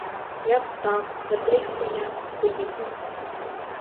Я встав, запріг коня й поїхав.